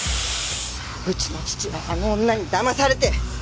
うちの父はあの女にだまされて。